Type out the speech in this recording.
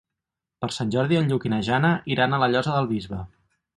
Per Sant Jordi en Lluc i na Jana iran a la Llosa del Bisbe.